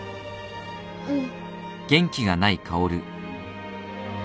うん。